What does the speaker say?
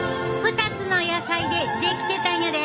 ２つの野菜で出来てたんやで！